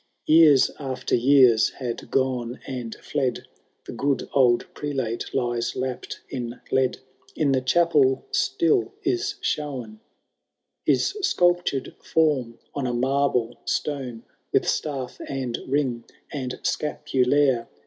XX Years after years had gone and fied. The good old Prelate lies lapped in lead ; In the chapel still is shown His sculptured form on a marble stone. With staff and ring and scapulaire.